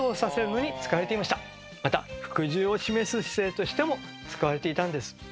また服従を示す姿勢としても使われていたんです。